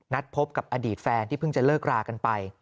พบกับอดีตแฟนที่เพิ่งจะเลิกรากันไป